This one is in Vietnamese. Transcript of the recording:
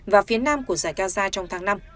và phía nam của giải gaza trong tháng năm